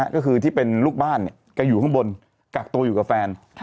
ก็คือที่เป็นลูกบ้านแกอยู่ข้างบนกักตัวอยู่กับแฟน